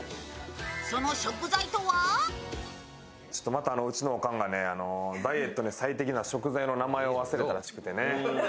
また、うちのおかんがダイエットに最適な食材の名前を忘れたらしくてね。